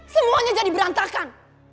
semuanya jadi berantakan